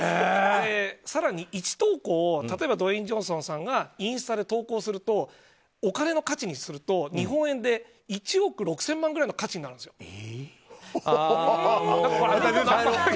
更に１投稿、例えばドウェイン・ジョンソンさんがインスタで投稿するとお金の価値にすると日本円で１億６０００万ぐらいの価値なんですよ。